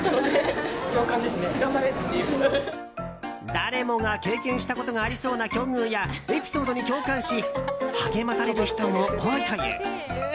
誰もが経験したことがありそうな境遇やエピソードに共感し励まされる人も多いという。